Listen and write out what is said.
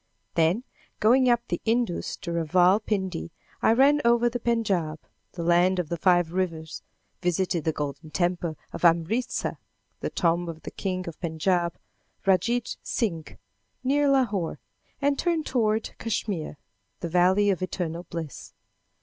Then, going up the Indus to Raval Pindi, I ran over the Pendjab the land of the five rivers; visited the Golden Temple of Amritsa the tomb of the King of Pendjab, Randjid Singh, near Lahore; and turned toward Kachmyr, "The Valley of Eternal Bliss."